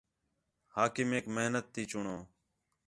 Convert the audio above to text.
حاکمیک محنت تی چُݨو